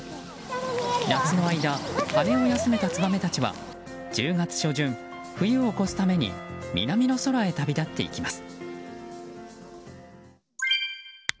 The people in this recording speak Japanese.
夏の間、羽を休めたツバメたちは１０月初旬、冬を越すために南の空に旅立っていきます。